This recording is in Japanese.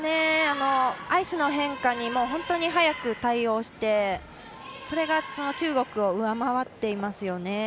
アイスの変化に本当に早く対応してそれが中国を上回っていますよね。